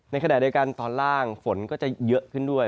ในขณะเดียวกันตอนล่างฝนก็จะเยอะขึ้นด้วย